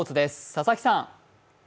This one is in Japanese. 佐々木さん。